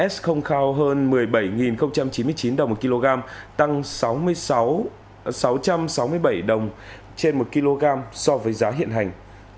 s không cao hơn một mươi bảy chín mươi chín đồng một kg tăng sáu trăm sáu mươi bảy đồng trên một kg so với giá hiện hành